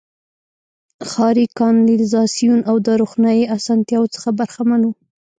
ښاري کانالیزاسیون او د روښنايي اسانتیاوو څخه برخمن وو.